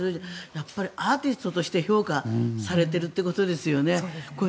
やっぱり、アーティストとして評価されているということですね。